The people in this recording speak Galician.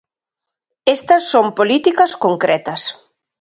Estas son políticas concretas.